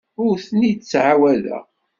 Ur ten-id-ttɛawadeɣ.